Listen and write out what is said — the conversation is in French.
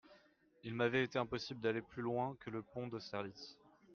Il m’avait été impossible d’aller plus loin que le pont d’Austerlitz.